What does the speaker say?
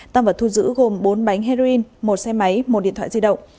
tăng vật thu giữ gồm bốn bánh heroin một xe máy một điện thoại di động